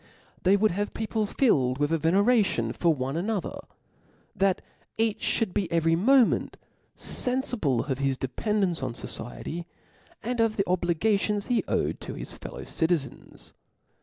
They would have people filled with a veneration for one another, that each' Ihould be every moment fenfible of his dependence on fociety, and of the obligations he owed to hii fellow citizens.